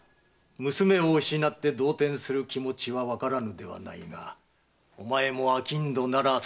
娘を失って動転する気持ちはわからぬではないがおまえも商人なら算盤をはじけ。